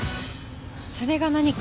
それが何か？